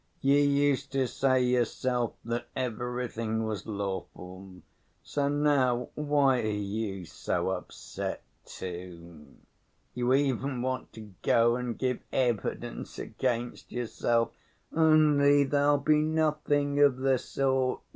"You used to say yourself that everything was lawful, so now why are you so upset, too? You even want to go and give evidence against yourself.... Only there'll be nothing of the sort!